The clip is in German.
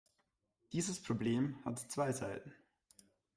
Dieses Problem hat zwei Seiten.